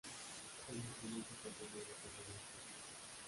El instrumento está formado por varias partes.